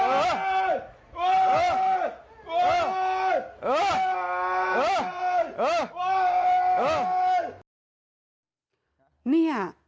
เพจโน้ท